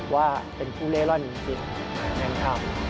ว่าเป็นผู้เล่ร่อนจริงแม่งครับ